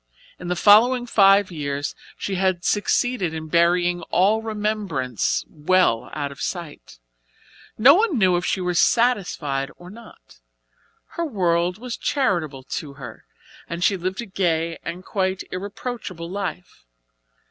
In the following five years she had succeeded in burying all remembrance well out of sight. No one knew if she were satisfied or not; her world was charitable to her and she lived a gay and quite irreproachable life.